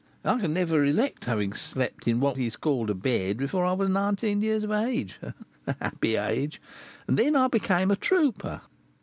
I can never recollect having slept in what is called a bed before I was nineteen years of age, a happy age! and then I became a trooper."